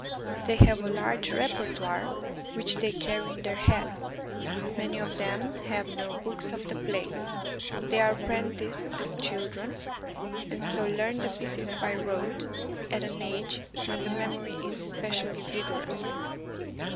They have a large repertoire 8s CHINA which they carry in their heads. Many of them have no books of the plays. They are apprenticed as children, and so learn the pieces by rote at an age when the mem ory is especially vigorous.